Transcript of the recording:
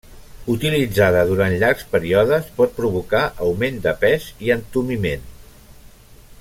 Utilitzada durant llargs períodes pot provocar augment de pes i entumiment.